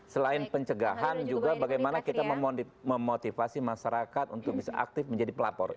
selain pencegahan juga bagaimana kita memotivasi masyarakat untuk bisa aktif menjadi pelapor